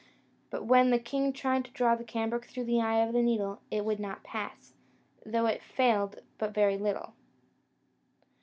But when the king tried to draw the cambric through the eye of the needle, it would not pass, though it failed but very little.